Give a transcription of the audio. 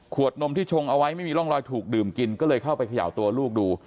นมที่ชงเอาไว้ไม่มีร่องรอยถูกดื่มกินก็เลยเข้าไปเขย่าตัวลูกดู